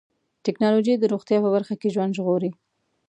ټکنالوجي د روغتیا په برخه کې ژوند ژغوري.